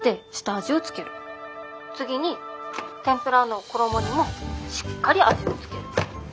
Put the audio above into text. ☎次にてんぷらーの衣にもしっかり味を付ける。